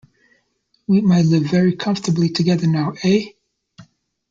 We might live very comfortably together now, eh?